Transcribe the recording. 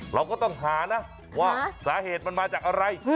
เราก็ต้องหานะว่าสาเหตุมันมาจากอะไร